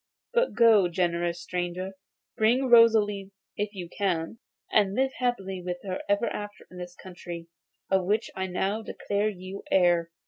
But go, generous stranger; bring back Rosalie if you can, and live happy with her ever after in this country, of which I now declare you heir.